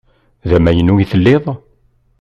D amaynu i telliḍ?